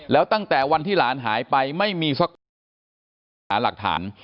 แล้วตั้งแต่วันที่หลานหายไปไม่มีสักวันหาหลักฐาน